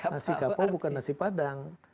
nasi kapau bukan nasi padang